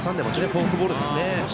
フォークボールですね。